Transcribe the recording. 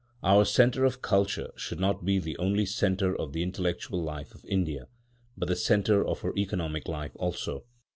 Our centre of culture should not only be the centre of the intellectual life of India, but the centre of her economic life also.